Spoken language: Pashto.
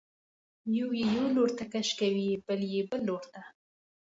یو یې یو لورته کش کوي او بل یې بل لورته.